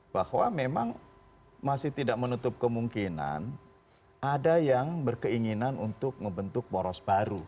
bahwa memang masih tidak menutup kemungkinan ada yang berkeinginan untuk membentuk poros baru